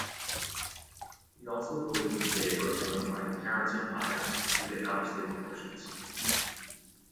He also voted in favor of notifying parents of minors who get out-of-state abortions.